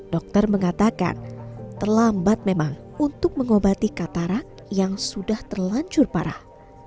dokter mengatakan terlambat memang untuk mengobati katarak yang sudah terlancur parah